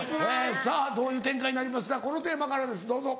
さぁどういう展開になりますかこのテーマからですどうぞ。